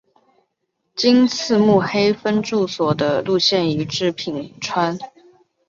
今次目黑分驻所的路线移至品川。